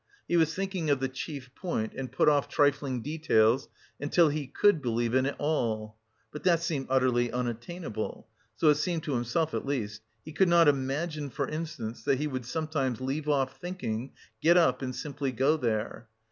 He was thinking of the chief point, and put off trifling details, until he could believe in it all. But that seemed utterly unattainable. So it seemed to himself at least. He could not imagine, for instance, that he would sometime leave off thinking, get up and simply go there....